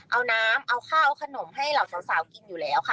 เอาน้ำเอาข้าวเอาขนมให้เหล่าสาวกินอยู่แล้วค่ะ